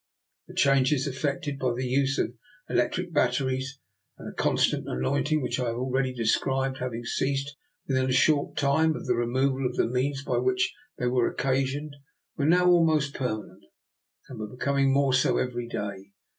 The changes effected by the use of the electric batteries and the constant anoint ing which I have already described having ceased within a short time of the removal of the means by which they were occasioned, were now almost permanent, and were becom ing more so every day.